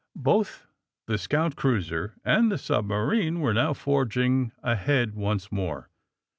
Both the scout cruiser and the submarine were now forging ahead once more.